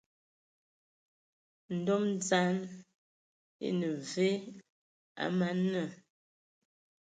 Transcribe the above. Ndom dzaŋ ene ve a man nna?